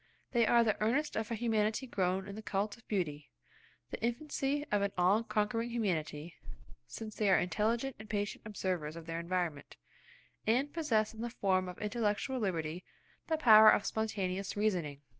They are the earnest of a humanity grown in the cult of beauty–the infancy of an all conquering humanity, since they are intelligent and patient observers of their environment, and possess in the form of intellectual liberty the power of spontaneous reasoning.